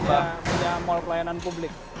kita punya mall pelayanan publik